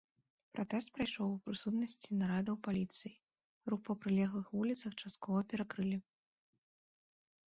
Пратэст прайшоў у прысутнасці нарадаў паліцыі, рух па прылеглых вуліцах часткова перакрылі.